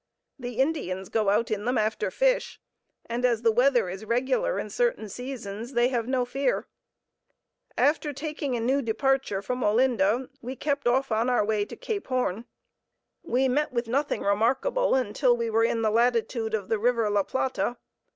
The Indians go out in them after fish, and as the weather is regular in certain seasons, they have no fear. After taking a new departure from Olinda, we kept off on our way to Cape Horn. We met with nothing remarkable until we were in the latitude of the river La Plata.